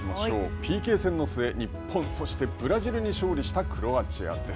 ＰＫ戦の末、日本、そしてブラジルに勝利したクロアチアです。